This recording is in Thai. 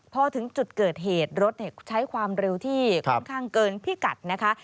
พอถึงจุดเกิดเหตุรถใช้ความเร็วที่ค่อนข้างเกินพิกัดนะคะ